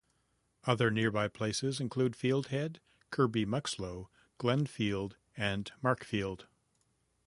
Other nearby places include Field Head, Kirby Muxloe, Glenfield and Markfield.